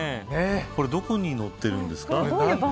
これどこに乗ってるんですか。